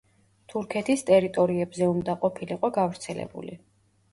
თურქეთის ტერიტორიებზე უნდა ყოფილიყო გავრცელებული.